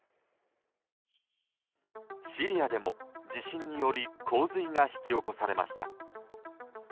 シリアでも、地震により洪水が引き起こされました。